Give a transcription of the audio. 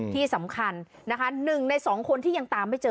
ที่สำคัญนะคะ๑ใน๒คนที่ยังตามไม่เจอ